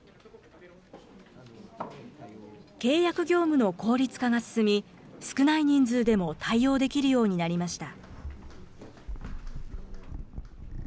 契約業務の効率化が進み、少ない人数でも対応できるようになりました。